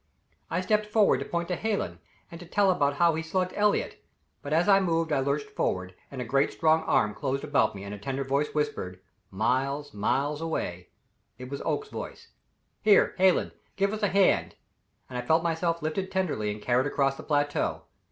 I stepped forward to point to Hallen, and to tell about how he slugged Elliott; but as I moved I lurched forward, and a great strong arm closed about me and a tender voice whispered miles miles away. It was Oakes's voice. "Here, Hallen, give us a hand," and I felt myself lifted tenderly and carried across the plateau.